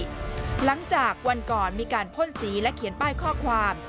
หลังจากวันก่อนมีการพ่นสีและเขียนป้ายข้อความ